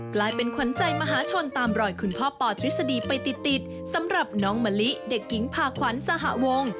กลายเป็นขวัญใจมหาชนตามรอยคุณพ่อปอทฤษฎีไปติดสำหรับน้องมะลิเด็กหญิงพาขวัญสหวง